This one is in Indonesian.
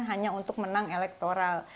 hanya untuk menang elektoral